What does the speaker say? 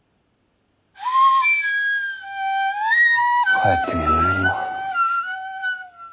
かえって眠れんな。